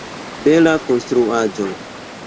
Bela konstruaĵo!